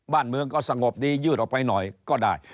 บ้านเมืองก็สงบดียืดออกไปหน่อยก็ได้